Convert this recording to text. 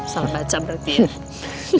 salah baca berarti ya